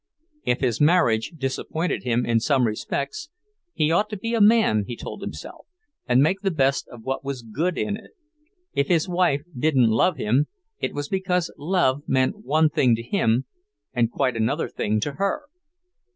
If his marriage disappointed him in some respects, he ought to be a man, he told himself, and make the best of what was good in it. If his wife didn't love him, it was because love meant one thing to him and quite another thing to her.